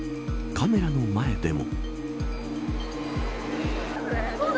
カメラの前でも。